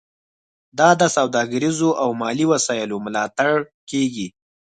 دا د سوداګریزو او مالي وسایلو ملاتړ کیږي